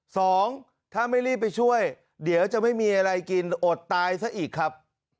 สองถ้าไม่รีบไปช่วยเดี๋ยวจะไม่มีอะไรกินอดตายซะอีกครับ